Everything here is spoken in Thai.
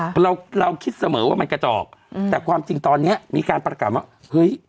เพราะเราเราคิดเสมอว่ามันกระจอกอืมแต่ความจริงตอนเนี้ยมีการประกาศว่าเฮ้ย